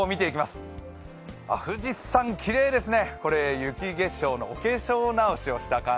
富士山、きれいですね。